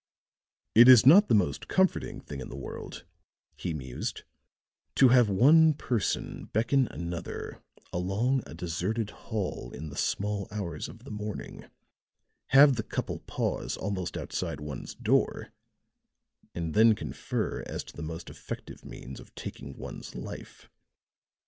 "It is not the most comforting thing in the world," he mused, "to have one person beckon another along a deserted hall in the small hours of the morning, have the couple pause almost outside one's door and then confer as to the most effective means of taking one's life.